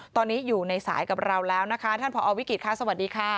ตอนนี้อยู่ในสายกับเราแล้วนะคะท่านผอวิกฤตค่ะสวัสดีค่ะ